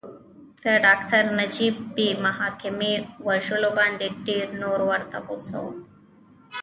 د ډاکټر نجیب بې محاکمې وژلو باندې ډېر نور ورته غوسه وو